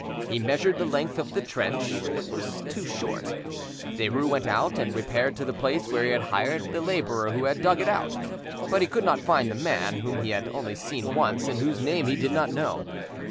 He measured the length of the trench, it was too short. Derues went out and repaired to the place where he had hired the labourer who had dug it out, but he could not find the man, whom he had only seen once, and whose name he did not know.